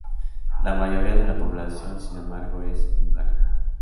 La mayoría de la población sin embargo es húngara.